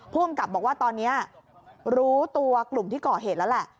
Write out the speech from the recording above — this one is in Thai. ภูมิกับบอกว่าตอนนี้รู้ตัวกลุ่มที่ก่อเหตุแล้วแหละ